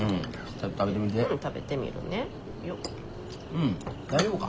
うん大丈夫か。